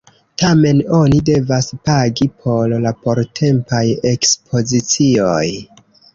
Tamen oni devas pagi por la portempaj ekspozicioj.